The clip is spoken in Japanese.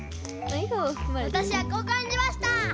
わたしはこうかんじました。